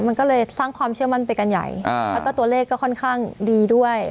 มันก็เลยสร้างความเชื่อมั่นไปกันใหญ่แล้วก็ตัวเลขก็ค่อนข้างดีด้วย